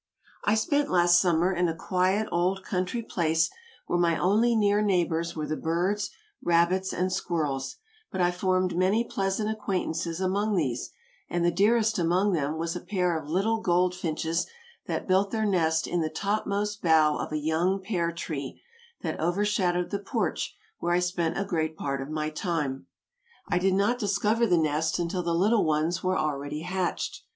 I spent last summer in a quiet, old country place where my only near neighbors were the birds, rabbits and squirrels, but I formed many pleasant acquaintances among these, and the dearest among them was a pair of little goldfinches that built their nest in the topmost bough of a young pear tree that overshadowed the porch where I spent a great part of my time. I did not discover the nest until the little ones were already hatched.